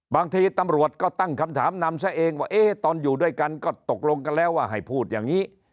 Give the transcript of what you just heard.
บางทีตำรวจก็ตั้งคำถามนำซะเองว่าตอนอยู่ด้วยกันก็ตกลงกันแล้วว่าให้พูดอย่างนี้